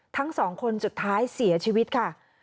ทั้งสองคนสุดท้ายเสียชีวิตค่ะ